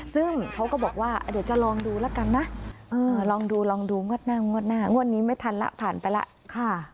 ซึ่งเขาก็บอกว่าเดี๋ยวจะลองดูแล้วกันนะลองดูลองดูงวดหน้างวดหน้างวดนี้ไม่ทันแล้วผ่านไปแล้วค่ะ